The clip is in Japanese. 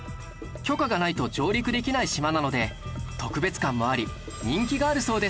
許可がないと上陸できない島なので特別感もあり人気があるそうです